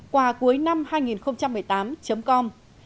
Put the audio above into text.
quà cuối năm hai nghìn một mươi tám com